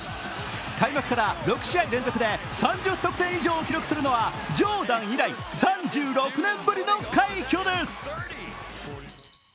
開幕から６試合連続で３０得点以上を記録するのは、ジョーダン以来３６年ぶりの快挙です。